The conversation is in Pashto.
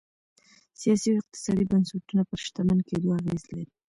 سیاسي او اقتصادي بنسټونه پر شتمن کېدو اغېز لري.